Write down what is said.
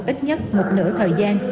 ít nhất một nửa thời gian